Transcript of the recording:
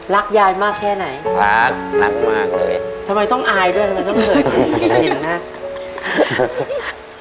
รักยายมากแค่ไหนรักรักมากเลยทำไมต้องอายด้วยทำไมต้องเคยเห็นไหม